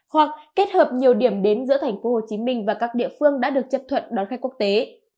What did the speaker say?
hoặc kết hợp nhiều điểm đến giữa thành phố hồ chí minh và các địa phương đã được chấp thuận đón khách quốc tế